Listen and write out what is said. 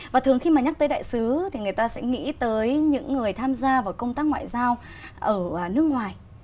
và thường khi mà nhắc tới đại sứ thì người ta sẽ nghĩ tới những người tham gia vào công tác ngoại giao ở nước ngoài